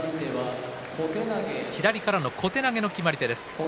左からの小手投げの決まり手です。